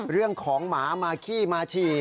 เรื่องของหมามาขี้มาฉี่